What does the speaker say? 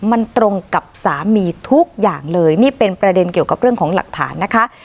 มันตรงกับสามีทุกอย่างเลยนี่เป็นประเด็นเกี่ยวกับเรื่องของหลักฐานนะคะ